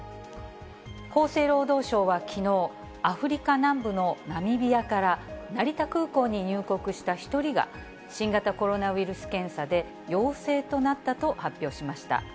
厚生労働省はきのう、アフリカ南部のナミビアから、成田空港に入国した１人が、新型コロナウイルス検査で陽性となったと発表しました。